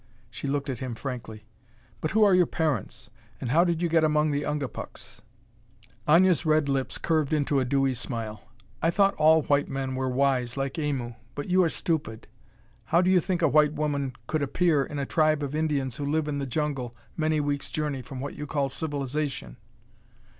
She looked at him frankly. "But who are your parents, and how did you get among the Ungapuks?" Aña's red lips curved into a dewy smile. "I thought all white men were wise, like Aimu. But you are stupid. How do you think a white woman could appear in a tribe of Indians who live in the jungle, many weeks' journey from what you call civilization?"